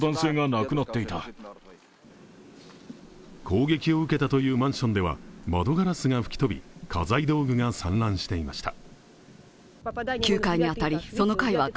攻撃を受けたというマンションでは窓ガラスが吹き飛び家財道具が散乱していました。